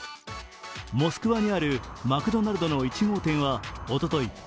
モスクワにあるマクドナルドの１号店はおととい